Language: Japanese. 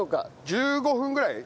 １５分ぐらい？